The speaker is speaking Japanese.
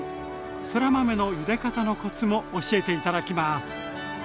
そら豆のゆで方のコツも教えて頂きます。